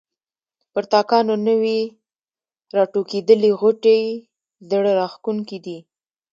پر تاکانو نوي راټوکېدلي غوټۍ زړه راکښونکې وې.